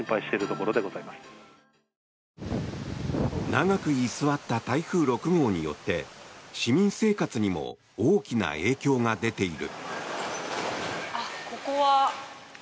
長く居座った台風６号によって市民生活にも大きな影響が出ている。